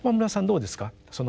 どうですか？